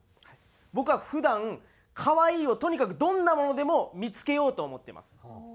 僕は普段可愛いをとにかくどんなものでも見付けようと思ってます。